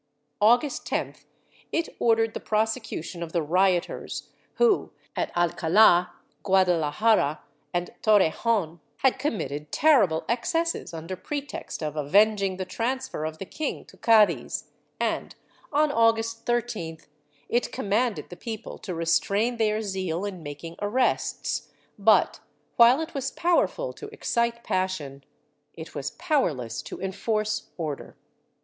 August 10th, it ordered the prosecution of the rioters who, at Alcaki, Guadalajara and Torre jon had committed terrible excesses under pretext of avenging the transfer of the king to Cadiz and, on August 13th, it commanded the people to restrain their zeal in making arrests but, while it was powerful to excite passion it w\as powerless to enforce order.